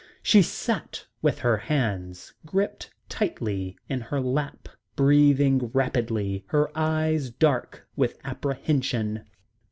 She sat with her hands gripped tightly in her lap, breathing rapidly, her eyes dark with apprehension.